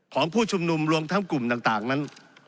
ผู้ชุมนุมรวมทั้งกลุ่มต่างนั้น